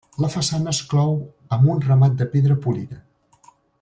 La façana es clou amb un remat de pedra polida.